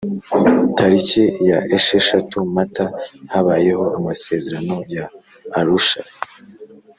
Tariki ya esheshatu Mata habayeho Amasezerano ya Arusha